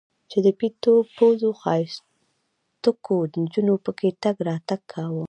چې د پيتو پوزو ښايستوکو نجونو پکښې تګ راتګ کاوه.